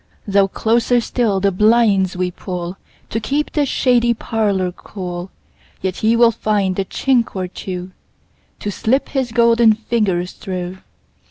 Though closer still the blinds we pullTo keep the shady parlour cool, Yet he will find a chink or twoTo slip his golden fingers through.